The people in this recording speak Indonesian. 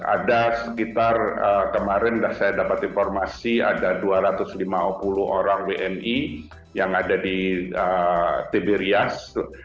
ada sekitar kemarin saya dapat informasi ada dua ratus lima puluh orang wni yang ada di tiberias